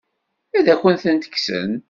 Ad akent-ten-kksen?